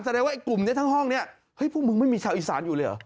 แสดงว่ากลุ่มทั้งห้องนี้พวกมึงไม่มีชาวอีสานอยู่เลยเหรอ